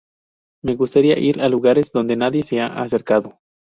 Me gustaría ir a lugares donde nadie se ha acercado".